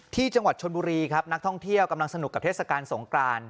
ที่จังหวัดชนบุรีครับนักท่องเที่ยวกำลังสนุกกับเทศกาลสงกราน